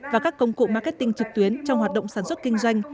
và các công cụ marketing trực tuyến trong hoạt động sản xuất kinh doanh